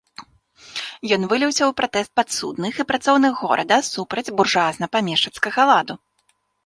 Ён выліўся ў пратэст падсудных і працоўных горада супраць буржуазна-памешчыцкага ладу.